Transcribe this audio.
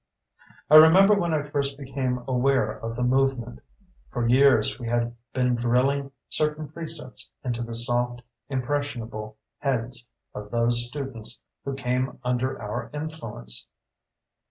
I remember when I first became aware of the movement. For years, we had been drilling certain precepts into the soft, impressionable heads of those students who came under our influence.